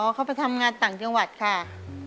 เขาไปทำงานต่างจังหวัดค่ะ